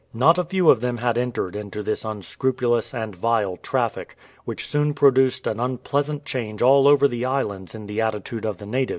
Not a few of them had entered into this unscrupulous and vile traffic, which soon produced an unpleasant change all over the islands in the attitude of the natives to white men.